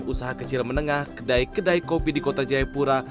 usaha kecil menengah kedai kedai kopi di kota jayapura